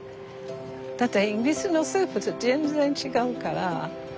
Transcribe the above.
だってイギリスのスープと全然違うから。